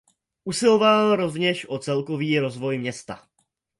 Usiloval rovněž o celkový rozvoj města.